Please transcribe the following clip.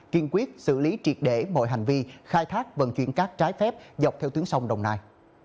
kiên quyết xử lý triệt để mọi hành vi khai thác vận chuyển cát trái phép dọc theo tuyến sông đồng nai